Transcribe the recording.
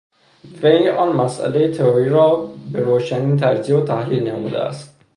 وی آن مسئلهٔ تئوری را بروشنی تجزیه و تحلیل نموده است.